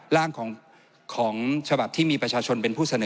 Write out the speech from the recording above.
ร่างของฉบับที่มีประชาชนเป็นผู้เสนอ